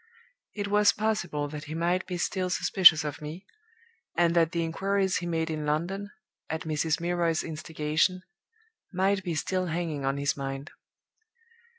It was possible that he might be still suspicious of me, and that the inquiries he made in London, at Mrs. Milroy's instigation, might be still hanging on his mind.